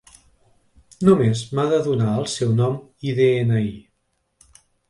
Només m'ha de donar el seu nom i de-ena-i.